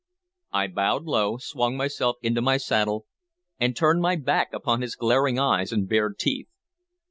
I bowed low, swung myself into my saddle, and turned my back upon his glaring eyes and bared teeth.